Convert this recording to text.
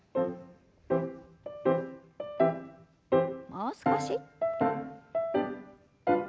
もう少し。